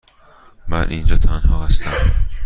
من اینجا تنها هستم.